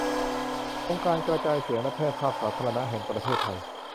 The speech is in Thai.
องค์การกระจายเสียงและแพร่ภาพสาธารณะแห่งประเทศไทย